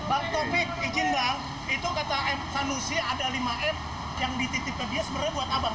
pak tobi izin bang itu kata m sanusi ada lima m yang dititip ke dia sebenarnya buat abang